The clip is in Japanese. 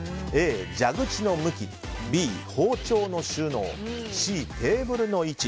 Ａ、蛇口の位置Ｂ、包丁の収納Ｃ、テーブルの位置。